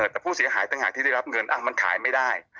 แต่ผู้เสียหายต่างหากที่ได้รับเงินมันขายไม่ได้